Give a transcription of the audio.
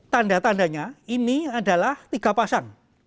tanda tandanya ini adalah tiga pasang